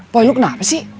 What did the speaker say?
boy lu kenapa sih